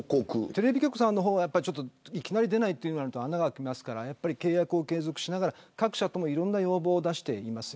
テレビ局さんの方はいきなり出ないとなると穴が空きますから契約を継続しながら各社とも要望を出しています。